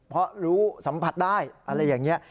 เพราะรู้สัมผัสได้อะไรอย่างนี้